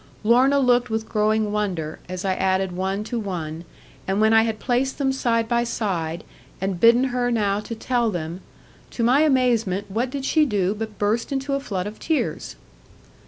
Lorna looked with growing wonder, as I added one to one; and when I had placed them side by side, and bidden her now to tell them, to my amazement what did she do but burst into a flood of tears.